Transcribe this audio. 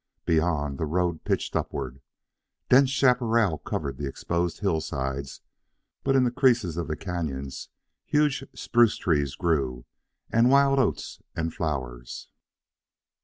Beyond, the road pitched upward. Dense chaparral covered the exposed hillsides but in the creases of the canons huge spruce trees grew, and wild oats and flowers.